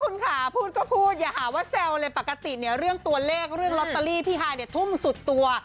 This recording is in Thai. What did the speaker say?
คุณค่ะพูดก็พูดอย่าหาว่าแซวเลยปกติเนี่ยเรื่องตัวเลขเรื่องลอตเตอรี่พี่ฮายเนี่ยทุ่มสุดตัว